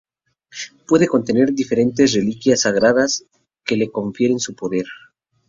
Puede contener diferentes reliquias sagradas que le confieren su poder.